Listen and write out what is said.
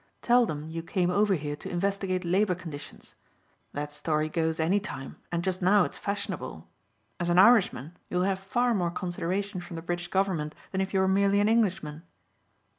Tell them you came over here to investigate labor conditions. That story goes any time and just now it's fashionable. As an Irishman you'll have far more consideration from the British Government than if you were merely an Englishman."